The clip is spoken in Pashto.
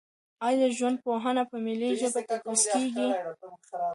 آیا ژوندپوهنه په ملي ژبه تدریس کیږي؟